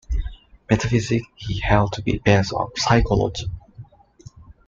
Metaphysics he held to be based on psychology.